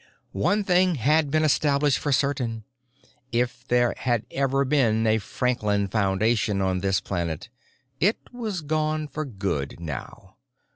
One thing had been established for certain: If ever there had been a "Franklin Foundation" on this planet, it was gone for good now.